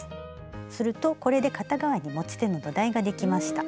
するとこれで片方に持ち手の土台ができました。